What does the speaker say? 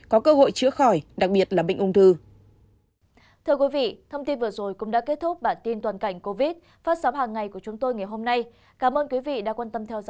có cơ hội chữa khỏi đặc biệt là bệnh ung thư